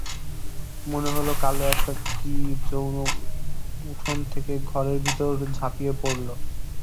মনে হল কালো একটা কী-যৌন উঠোন থেকে ঘরের ভিতর ঝাঁপিয়ে পড়ল।